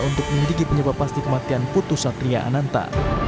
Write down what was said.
untuk menyelidiki penyebab pasti kematian putri satria ananta